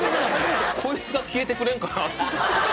こいつが消えてくれんかなと。